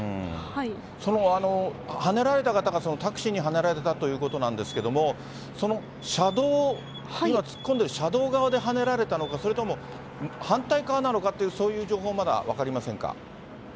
そのはねられた方が、タクシーにはねられたということなんですけども、その車道、今突っ込んでいる車道側ではねられたのか、それとも反対側なのかという、そういう情報はまだ分かりませんか？